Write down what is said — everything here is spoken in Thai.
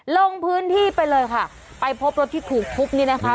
ลงพื้นที่ไปเลยค่ะไปพบรถที่ถูกทุบนี่นะคะ